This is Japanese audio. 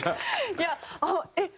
いやえっ。